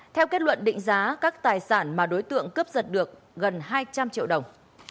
theo kết luận định giá các tài sản mà đối tượng cướp giật được gần hai trăm linh triệu đồng